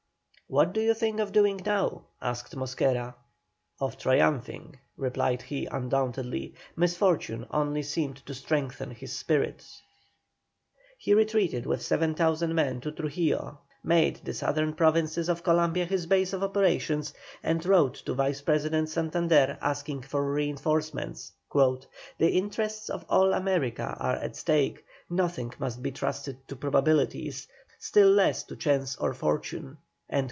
"What do you think of doing now?" asked Mosquera. "Of triumphing," replied he, undauntedly. Misfortune only seemed to strengthen his spirit. He retreated with 7,000 men to Trujillo, made the Southern Provinces of Columbia his base of operations, and wrote to Vice President Santander asking for reinforcements: "The interests of all America are at stake; nothing must be trusted to probabilities, still less to chance or fortune."